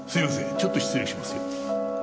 ちょっと失礼しますよ。